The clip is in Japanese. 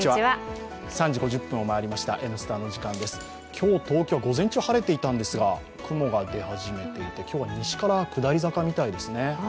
今日、東京は午前中晴れていたんですが雲が出始めていて今日は西から下り坂みたいですね。